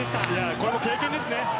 これも経験ですね。